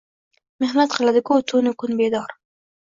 Mehnat qiladiku tun-u kun bedor.